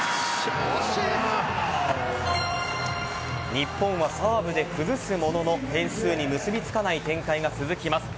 日本はサーブで崩すものの点数に結びつかない展開が続きます。